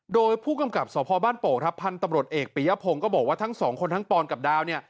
โดยผู้กำกับสพบ้านโป่งครับพันธุ์ตำรวจเอกปียพงศ์ก็บอกว่าทั้งสองคนทั้งปอนกับดาวเนี่ย